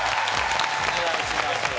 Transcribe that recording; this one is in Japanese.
お願いします。